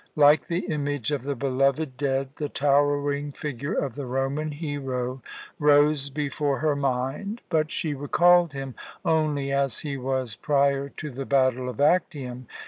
Like the image of the beloved dead, the towering figure of the Roman hero rose before her mind, but she recalled him only as he was prior to the battle of Actium.